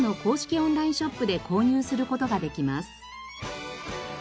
オンラインショップで購入する事ができます。